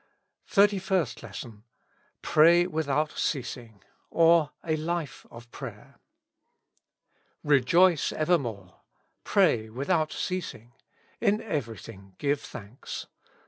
251 THIRTY FIRST LESSON. "Pray without ceasing;'* or, A Life of Prayer. Rejoice evermore. Pray luiihout ceasing. In everything give thanks.